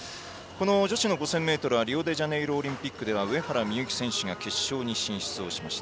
女子の５０００ｍリオデジャネイロオリンピックでは上原美幸選手が決勝に進出しました。